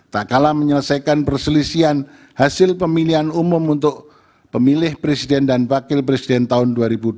tak kalah menyelesaikan perselisihan hasil pemilihan umum untuk pemilih presiden dan wakil presiden tahun dua ribu dua puluh